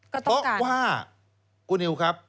เพราะว่าคุณนิวครับ